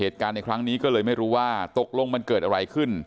เหตุการณ์ในครั้งนี้ก็เลยไม่รู้ว่าตกลงมันเกิดอะไรขึ้น